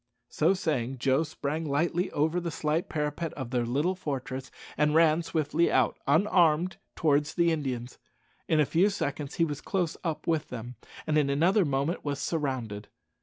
So saying, Joe sprang lightly over the slight parapet of their little fortress, and ran swiftly out, unarmed, towards the Indians. In a few seconds he was close up with them, and in another moment was surrounded.